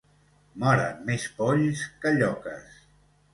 Moren més polls que lloques.